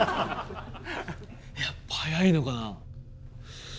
やっぱ速いのかな？